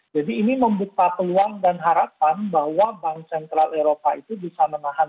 jadi ini membuka peluang dan harapan bahwa bank sentral eropa itu bisa menahan